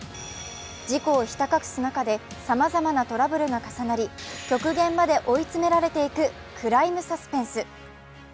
事故をひた隠す中で、さまざまなトラブルが重なり、極限まで追い詰められていくクライムサスペンス。